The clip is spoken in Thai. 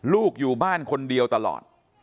ลูกอยู่บ้านคนเดียวตลอด